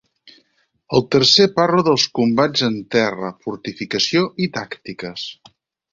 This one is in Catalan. El tercer parla dels combats en terra, fortificació i tàctiques.